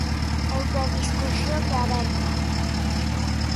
É unha discusión aberta.